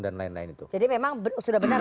dan lain lain itu jadi memang sudah benar